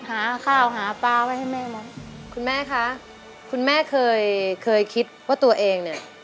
หาข้าวหาปลาไว้ให้แม่ไหมคุณแม่คะคุณแม่เคยเคยคิดว่าตัวเองเนี่ย